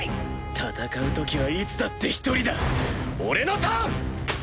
戦う時はいつだって１人だ俺のターン！